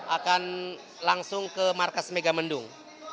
akan langsung ke markas megamendung